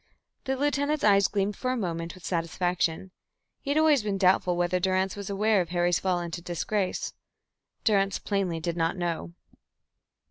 The lieutenant's eyes gleamed for a moment with satisfaction. He had always been doubtful whether Durrance was aware of Harry's fall into disgrace. Durrance plainly did not know.